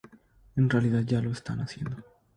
En realidad, ya lo están haciendo.